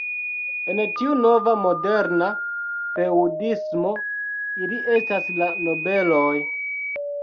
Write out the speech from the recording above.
En tiu nova moderna feŭdismo ili estas la nobeloj.